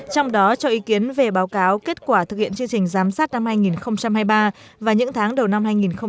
trong đó cho ý kiến về báo cáo kết quả thực hiện chương trình giám sát năm hai nghìn hai mươi ba và những tháng đầu năm hai nghìn hai mươi bốn